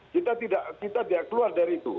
kita tidak keluar dari itu